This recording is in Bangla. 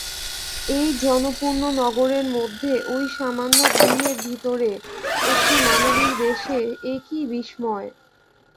এই জনপূর্ণ নগরের মধ্যে ঐ সামান্য গৃহের ভিতরে একটি মানবীর বেশে এ কী বিসময়!